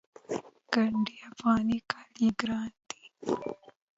ګنډ افغاني کالي ګران دي